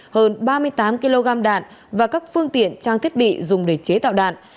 hơn ba mươi tám kg đạn và các phương tiện trang thiết bị dùng để chế tạo đạn